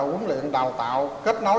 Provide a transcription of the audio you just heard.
huấn luyện đào tạo kết nối